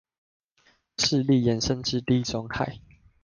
勢力伸展至地中海